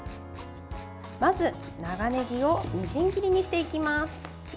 まず、長ねぎをみじん切りにしていきます。